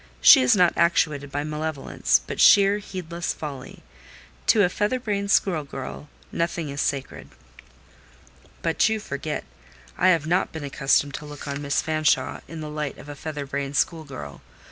She is not actuated by malevolence, but sheer, heedless folly. To a feather brained school girl nothing is sacred." "But you forget: I have not been accustomed to look on Miss Fanshawe in the light of a feather brained school girl.